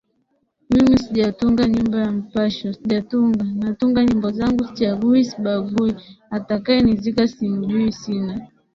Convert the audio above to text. Mimi sijatunga nyimbo ya mpasho Sijatunga Natunga nyimbo zangu sichagui sibagui atayenizika simjui Sina